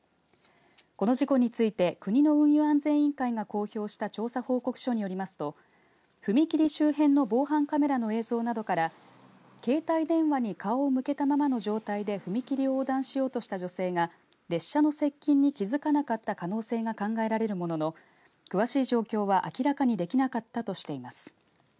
この事故について国の運輸安全委員会が公表した調査報告書によりますと踏切周辺の防犯カメラの映像などから携帯電話に顔を向けたままの状態で踏切を横断しようとした女性が列車の接近に気づかなかった可能性が考えられるものの詳しい状況は明らかにできなかったとしています。